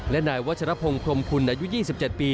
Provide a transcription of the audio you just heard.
และนายวัชรพงศ์พรมพุนอายุยี่สิบเจ็ดปี